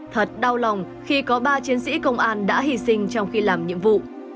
thật đau lòng khi có ba chiến sĩ công an đã hy sinh trong khi làm nhiệm vụ